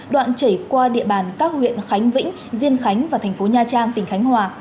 đoạn chảy qua địa bàn các huyện khánh vĩnh diên khánh và thành phố nha trang tỉnh khánh hòa